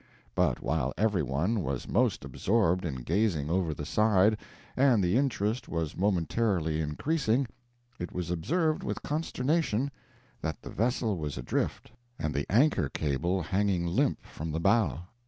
But while every one was most absorbed in gazing over the side, and the interest was momentarily increasing, it was observed with consternation that the vessel was adrift and the anchor cable hanging limp from the bow.